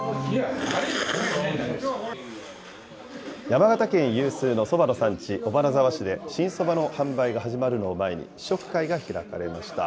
山形県有数のそばの産地、尾花沢市で新そばの販売が始まるのを前に、試食会が開かれました。